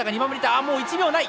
ああもう１秒ない。